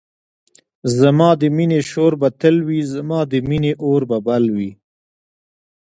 زما د مینی شور به تل وی زما د مینی اور به بل وی